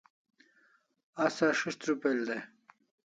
Asa si's' trupel dai